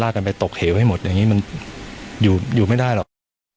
กันไปตกเหวให้หมดอย่างนี้มันอยู่ไม่ได้หรอก